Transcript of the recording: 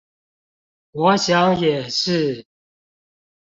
我想也是